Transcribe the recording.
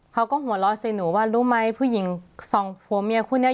เขาก็หัวเราะใส่หนูว่ารู้ไหมผู้หญิงสองผัวเมียคู่นี้